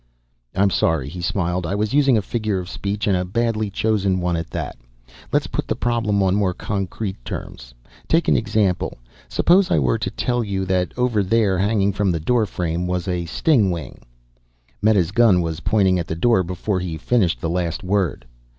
"I'm sorry," he smiled. "I was using a figure of speech, and a badly chosen one at that. Let's put the problem on more concrete terms. Take an example. Suppose I were to tell you that over there, hanging from the doorframe, was a stingwing " Meta's gun was pointing at the door before he finished the last word.